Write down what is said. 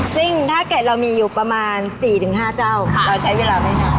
ซึ่งถ้าเกิดเรามีอยู่ประมาณ๔๕เจ้าเราใช้เวลาไม่นาน